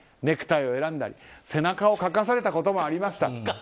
ネクタイを選んだり、背中をかかされたこともありました。